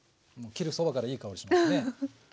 もう切るそばからいい香りしますね！